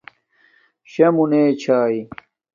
شݳ مُنݺ چھݳئی.